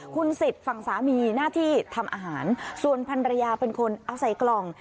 คุณสิทธิ์ฝั่งสามีหน้าที่ทำอาหารส่วนพันรยาเป็นคนเอาใส่กล่อง